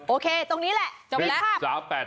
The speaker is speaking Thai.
โอเคตรงนี้แหละจบไปแล้ว